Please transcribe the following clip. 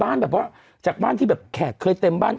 แบบว่าจากบ้านที่แบบแขกเคยเต็มบ้าน